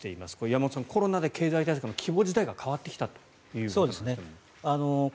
山本さん、コロナで経済対策の規模自体が変わってきたということなんですが。